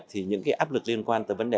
thì những áp lực liên quan tới vấn đề